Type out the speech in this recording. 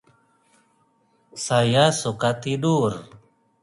After the battle, Peter fled to the castle of Montiel, where he became trapped.